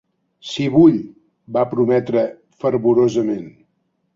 "Sí vull", va prometre fervorosament.